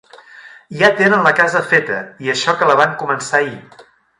Ja tenen la casa feta, i això que la van començar ahir.